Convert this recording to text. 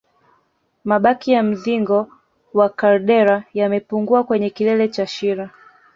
Mabaki ya mzingo wa kaldera yamepungua kwenye kilele cha shira